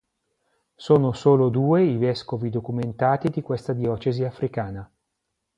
Sono solo due i vescovi documentati di questa diocesi africana.